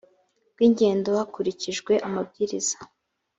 bw ingendo hakurikijwe amabwiriza